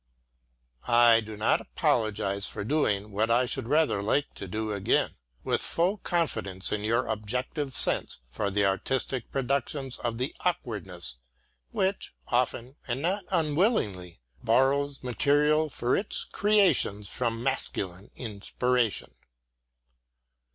I do not apologize for doing what I should rather like to do again, with full confidence in your objective sense for the artistic productions of the awkwardness which, often and not unwillingly, borrows the material for its creations from masculine inspiration.